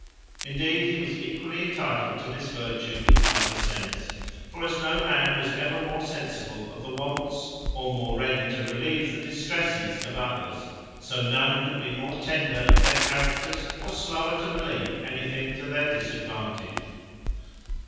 Indeed, he was equally intitled to this virtue in either sense; for as no man was ever more sensible of the wants, or more ready to relieve the distresses of others, so none could be more tender of their characters, or slower to believe anything to their disadvantage.